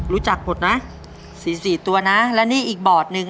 รู้จักหมดนะสี่สี่ตัวนะและนี่อีกบอร์ดหนึ่ง